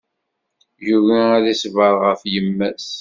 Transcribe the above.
Yugi ad iṣber ɣef yemma-s.